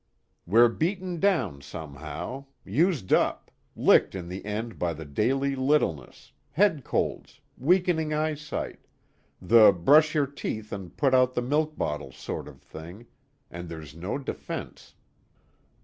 We're beaten down somehow, used up, licked in the end by the daily littleness head colds, weakening eyesight, the brush your teeth and put out the milk bottles sort of thing, and there's no defense."